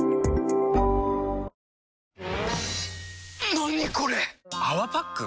何これ⁉「泡パック」？